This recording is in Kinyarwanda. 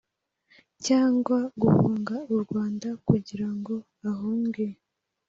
cyangwa guhunga u rwanda kugira ngo ahunge